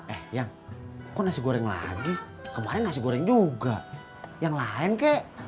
eh yang kok nasi goreng lagi kemarin nasi goreng juga yang lain kek